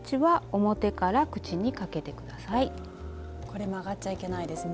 これ曲がっちゃいけないですね。